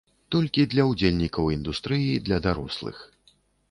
Толькі для ўдзельнікаў індустрыі для дарослых.